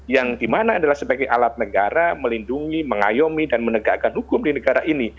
yang dimana adalah sebagai alat negara melindungi mengayomi dan menegakkan hukum di negara ini